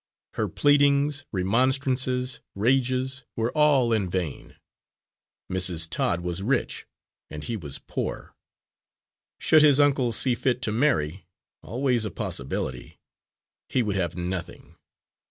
Her pleadings, remonstrances, rages, were all in vain. Mrs. Todd was rich, and he was poor; should his uncle see fit to marry always a possibility he would have nothing.